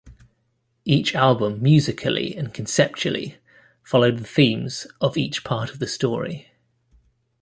Each album musically and conceptually followed the themes of each part of the story.